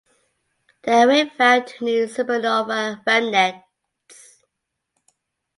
The array found two new supernova remnants.